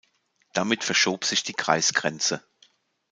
Damit verschob sich die Kreisgrenze.